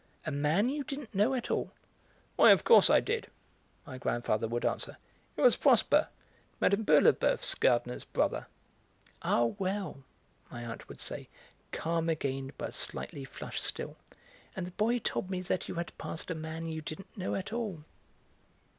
A man you didn't know at all?" "Why, of course I did," my grandfather would answer; "it was Prosper, Mme. Bouilleboeuf's gardener's brother." "Ah, well!" my aunt would say, calm again but slightly flushed still; "and the boy told me that you had passed a man you didn't know at all!"